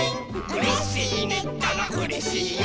「うれしいねったらうれしいよ」